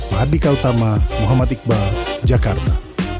mahat dika utama muhammad iqbal jakarta